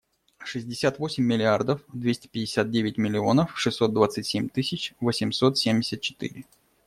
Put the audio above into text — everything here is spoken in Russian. Шестьдесят восемь миллиардов двести пятьдесят девять миллионов шестьсот двадцать семь тысяч восемьсот семьдесят четыре.